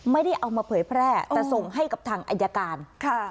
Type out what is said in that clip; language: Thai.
ไม่ได้เอามาเผยแพร่แต่ส่งให้กับทางอายการค่ะ